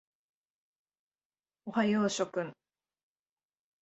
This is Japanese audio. おはよう諸君。